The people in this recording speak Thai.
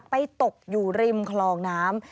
ตกอยู่ริมคลองน้ำ